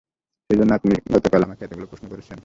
সেজন্য আপনি গতকাল আমাকে এতগুলো প্রশ্ন করেছেন?